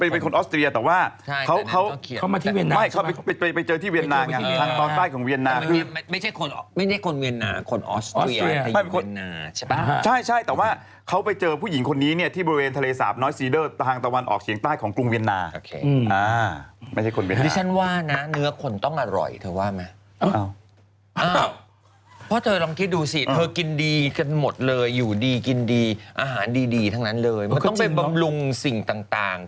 เป็นคนออสเตรียแต่ว่าเข้ามาที่เวียนที่เวียนที่เวียนที่เวียนที่เวียนที่เวียนที่เวียนที่เวียนที่เวียนที่เวียนต้องใต้ของเวียนที่เวียนที่เวียนที่เวียนที่เวียนที่เวียนที่เวียนที่เวียนที่เวียนที่เวียนที่เวียนที่เวียนที่เวียนที่เวียนที่เวียนที่เวียนที่เวียนที่เว